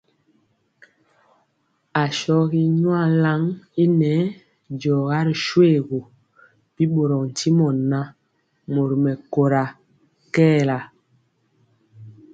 Ashɔgi nyuan lan i nɛɛ diɔga ri shoégu, bi ɓorɔɔ ntimɔ ŋan, mori mɛkóra kɛɛla.